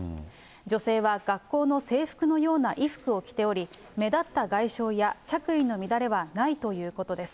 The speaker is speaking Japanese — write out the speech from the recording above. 女性は学校の制服のような衣服を着ており、目立った外傷や、着衣の乱れはないということです。